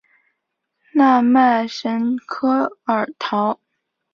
奈迈什科尔陶。